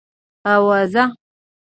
اوزه؟